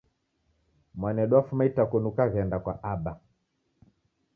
Mwanedu wafuma itakoni ukaghenda kwa aba